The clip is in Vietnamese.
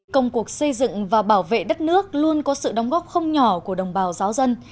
công cuộc xây dựng và bảo vệ đất nước luôn có sự đóng góp không nhỏ của đồng bào giáo dân